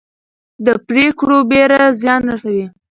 د پرېکړو بېړه زیان رسوي